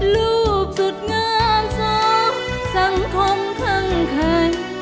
รูปสุดงามสองสังคมทั้งใคร